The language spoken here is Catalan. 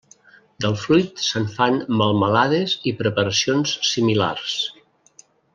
Del fruit se'n fan melmelades i preparacions similars.